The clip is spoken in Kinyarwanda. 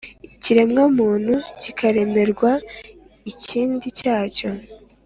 Ikiremwamuntu kikaremerwa ikindi cyacyo